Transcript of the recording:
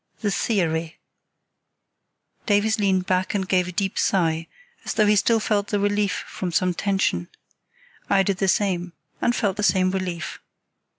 The Theory Davies leaned back and gave a deep sigh, as though he still felt the relief from some tension. I did the same, and felt the same relief.